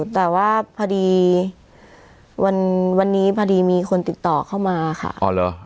แต่ว่าพอดีวันนี้พอดีมีคนติดต่อเข้ามาค่ะอ๋อเหรอ